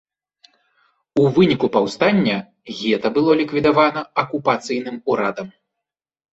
У выніку паўстання гета было ліквідавана акупацыйным урадам.